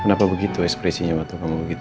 kenapa begitu ekspresinya waktu kamu begitu